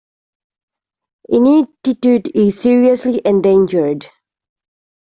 Inuttitut is seriously endangered.